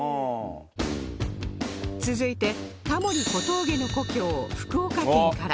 続いてタモリ小峠の故郷福岡県から